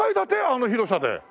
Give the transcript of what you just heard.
あの広さで。